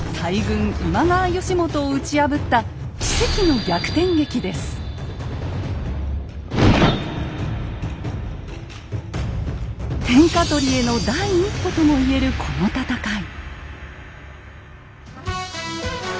今川義元を打ち破った天下取りへの第一歩とも言えるこの戦い。